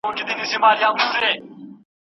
زه باید د خپل ژوند لپاره کلک او هوډمن واوسم.